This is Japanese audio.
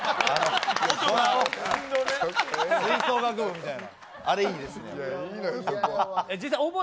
吹奏楽部みたいな。